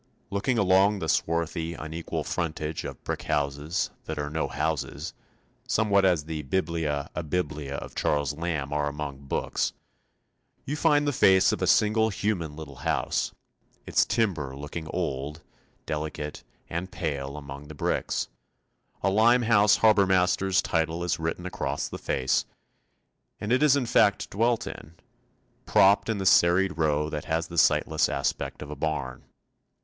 Looking along the swarthy, unequal frontage of brick houses that are no houses somewhat as the biblia abiblia of Charles Lamb are among books, you find the face of a single human little house, its timber looking old, delicate, and pale among the bricks; a Limehouse harbour master's title is written across the face, and it is in fact dwelt in propped in the serried row that has the sightless aspect of a barn.